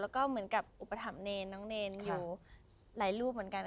แล้วก็เหมือนกับอุปถัมภเนรน้องเนรอยู่หลายรูปเหมือนกัน